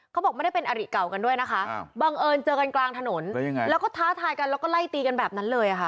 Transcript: เขาบอกไม่ได้เป็นอริเก่ากันด้วยนะคะบังเอิญเจอกันกลางถนนแล้วก็ท้าทายกันแล้วก็ไล่ตีกันแบบนั้นเลยค่ะ